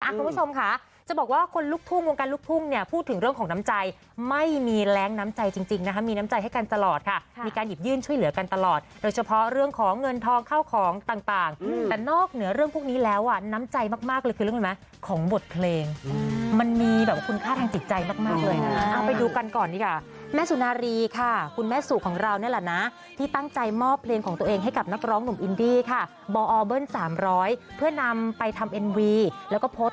คุณผู้ชมค่ะจะบอกว่าคนลุกทุ่งวงการลุกทุ่งเนี่ยพูดถึงเรื่องของน้ำใจไม่มีแรงน้ำใจจริงนะมีน้ำใจให้กันตลอดค่ะมีการหยิบยื่นช่วยเหลือกันตลอดโดยเฉพาะเรื่องของเงินทองเข้าของต่างแต่นอกเหนือเรื่องพวกนี้แล้วอ่ะน้ำใจมากเลยคือเรื่องอะไรไหมของบทเพลงมันมีแบบคุณค่าทางจิตใจมากเลยนะไปดูกันก